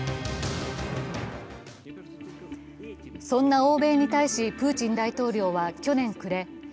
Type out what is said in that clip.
そんな欧米に対し、プーチン大統領は去年暮れ